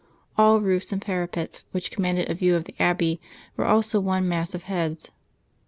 All roofs and parapets which commanded a view of the Abbey were also one mass of heads.